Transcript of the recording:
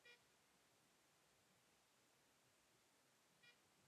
Mji Mkongwe ni wilaya katika Mkoa wa Unguja Mjini Magharibi wa Tanzania